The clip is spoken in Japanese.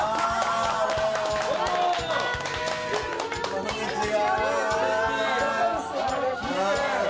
こんにちは。